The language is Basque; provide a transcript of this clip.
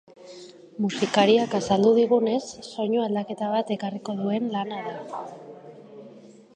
Musikariak azaldu digunez, soinu aldaketa bat ekarriko duen lana da.